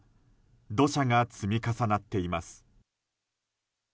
土砂が積み重なっています。